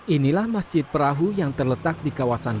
inilah masjid perahu yang terletak di kawasan